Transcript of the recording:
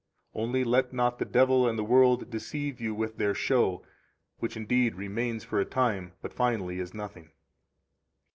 Only let not the devil and the world deceive you with their show, which indeed remains for a time, but finally is nothing.